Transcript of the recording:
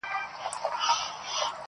دا د قامونو د خپلویو وطن،